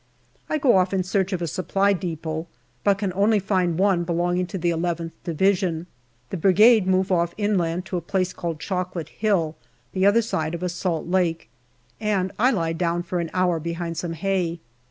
I go off in search of a Supply depot, but can only find one belonging to the nth Division. The Brigade move off inland to a place called Chocolate Hill, the other side of a salt lake, and I lie down for an hour behind some hay.